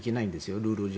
ルール上。